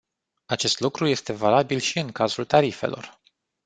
Acest lucru este valabil și în cazul tarifelor.